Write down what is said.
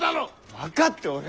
分かっておる！